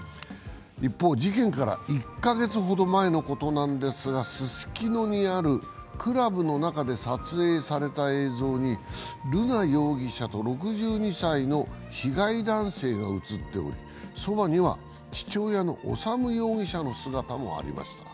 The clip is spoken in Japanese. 一方、事件から１か月ほど前のことなんですが、ススキノにあるクラブの中で撮影された映像に瑠奈容疑者と６２歳の被害男性が映っており、そばには父親の修容疑者の姿もありました。